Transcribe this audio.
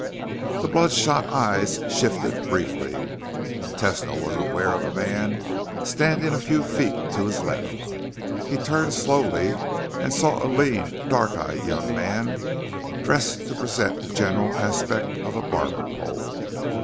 The bloodshot eyes shifted briefly. Tesno was aware of a man standing a few feet to his left. He turned slowly and saw a lean, dark eyed young man dressed to present the general aspect of a barber pole.